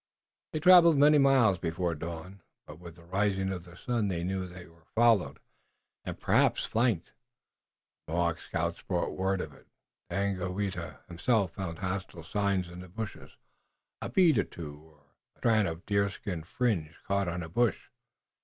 They traveled many miles before dawn, but with the rising of the sun they knew that they were followed, and perhaps flanked. The Mohawk scouts brought word of it. Daganoweda himself found hostile signs in the bushes, a bead or two and a strand of deerskin fringe caught on a bush.